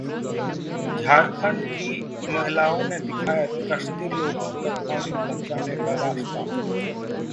झारखंड की महिलाओं ने दिखाया तरसते लोगों तक पानी पहुंचाने का रास्ता